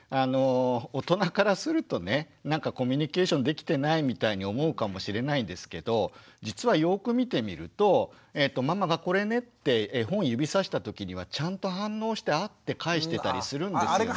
大人からするとねなんかコミュニケーションできてないみたいに思うかもしれないですけど実はよく見てみるとママがこれねって絵本指さした時にはちゃんと反応して「あ」って返してたりするんですよね。